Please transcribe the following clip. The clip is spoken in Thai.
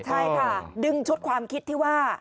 ใช่ค่ะดึงชุดความคิดที่ว่า